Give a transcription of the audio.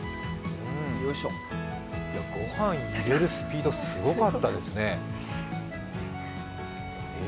御飯入れるスピード、すごかったですね。